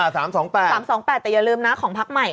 ๓๒๘๓๒๘แต่อย่าลืมนะของพักใหม่